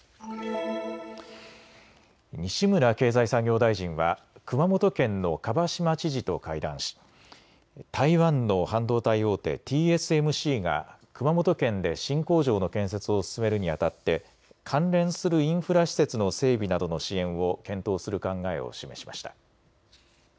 西村経済産業大臣は熊本県の蒲島知事と会談し台湾の半導体大手、ＴＳＭＣが熊本県で新工場の建設を進めるにあたって関連するインフラ施設の整備などの支援を検討する考えを示しました。